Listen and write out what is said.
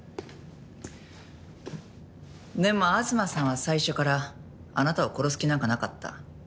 でも東さんは最初からあなたを殺す気なんかなかった。